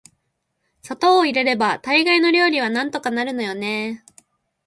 砂糖を入れれば大概の料理はなんとかなるのよね～